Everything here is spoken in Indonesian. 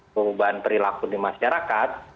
perubahan perilaku di masyarakat